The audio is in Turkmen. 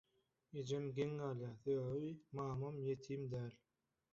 Ejem geň galýa, sebäbi mamam ýetim däl.